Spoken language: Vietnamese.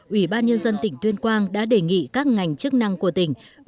ủy ban nhân dân tỉnh tuyên quang đã đề nghị các ngành chức năng của tỉnh